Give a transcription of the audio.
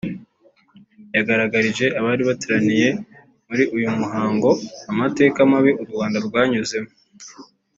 yagaragarije abari bateraniye muri uyu muhango amateka mabi u Rwanda rwanyuzemo